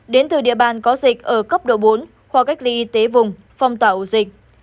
đến từ địa bàn có dịch ở cấp độ bốn hoặc cách ly y tế vùng phong tỏa dịch